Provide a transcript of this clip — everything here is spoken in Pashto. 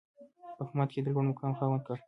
په حکومت کې د لوړمقام خاوند کړ.